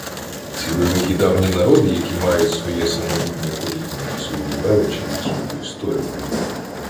Це великі, давні народи, які мають своє самобутнє коріння, свою велич, свою історію